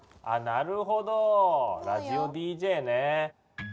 あなるほどラジオＤＪね。